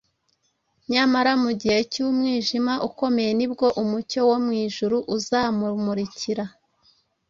nyamara mu gihe cy’umwijima ukomeye nibwo umucyo wo mu ijuru uzamumurikira.